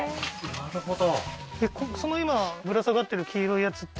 なるほど